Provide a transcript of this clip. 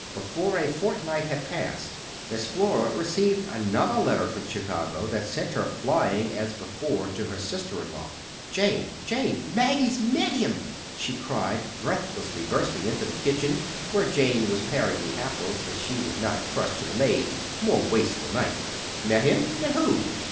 Before a fortnight had passed, Miss Flora received another letter from Chicago that sent her flying as before to her sister in law. "Jane, Jane, Maggie's met him!" she cried, breathlessly bursting into the kitchen where Jane was paring the apples that she would not trust to the maid's more wasteful knife. "Met him! Met who?"